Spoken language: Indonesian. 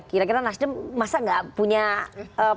kira kira nasdem masa enggak punya padangan sikapnya